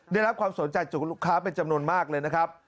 ได้รับความสนใจจากลูกค้าเป็นจำนวนมากเลยนะครับ